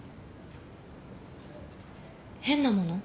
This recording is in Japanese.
変なもの？